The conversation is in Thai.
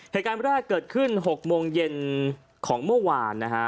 เหตุการณ์แรกเกิดขึ้น๖โมงเย็นของเมื่อวานนะฮะ